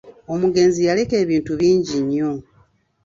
Omugenzi yaleka ebintu bingi nnyo.